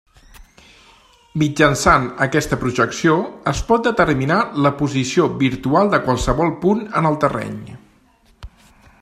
Mitjançant aquesta projecció, es pot determinar la posició virtual de qualsevol punt en el terreny.